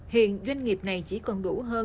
hiện doanh nghiệp này chỉ còn đủ hơn